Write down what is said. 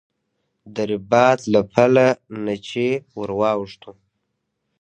د رباط له پله نه چې ور واوښتو.